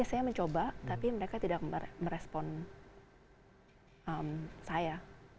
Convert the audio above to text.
saya mencoba tapi mereka tidak merespon saya